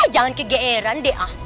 jangan kegeeran deh